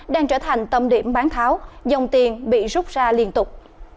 đang trở thành tâm điểm bán tháo dòng tiền bị rút ra liên tục